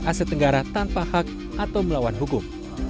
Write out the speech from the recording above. aset negara tanpa hak atau melawan hukum